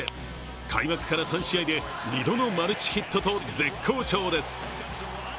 開幕から３試合で２度のマルチヒットと絶好調です。